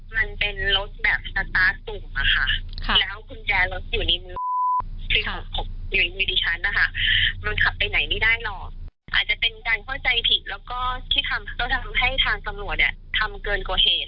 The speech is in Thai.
แล้วก็ที่เราทำให้ทางตำรวจทำเกินกว่าเหตุ